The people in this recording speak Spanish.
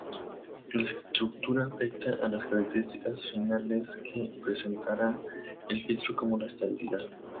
La estructura afecta a las características finales que presentará el filtro como la estabilidad.